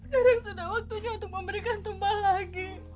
sekarang sudah waktunya untuk memberikan tumbang lagi